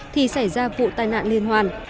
thì xảy ra vụ tai nạn liên hoàn